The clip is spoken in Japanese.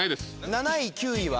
７位９位は。